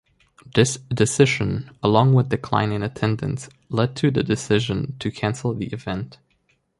This decision, along with declining attendance, led to the decision to cancel the event.